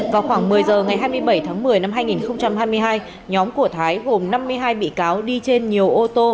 vào khoảng một mươi h ngày hai mươi bảy tháng một mươi năm hai nghìn hai mươi hai nhóm của thái gồm năm mươi hai bị cáo đi trên nhiều ô tô